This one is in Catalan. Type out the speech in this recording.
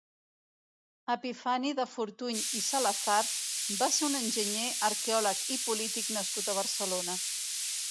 Epifani de Fortuny i Salazar va ser un enginyer, arqueòleg i polític nascut a Barcelona.